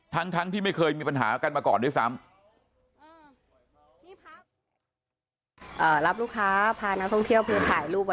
ทั้งที่ไม่เคยมีปัญหากันมาก่อนด้วยซ้ำ